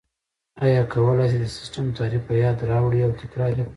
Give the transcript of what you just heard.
ایا کولای شئ د سیسټم تعریف په یاد راوړئ او تکرار یې کړئ؟